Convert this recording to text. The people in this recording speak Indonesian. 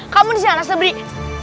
kamu di sini anas tebrik